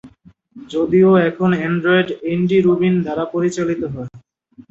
যদিও তখন Android Andy Rubin দ্বারা পরিচালিত ছিল।